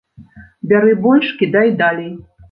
Бяры больш, кідай далей.